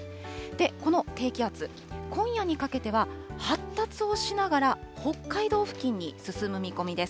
この低気圧、今夜にかけては発達をしながら、北海道付近に進む見込みです。